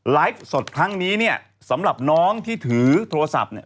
ไลฟ์สดครั้งนี้เนี่ยสำหรับน้องที่ถือโทรศัพท์เนี่ย